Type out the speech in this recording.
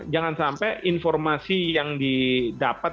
jangan sampai informasi yang didapat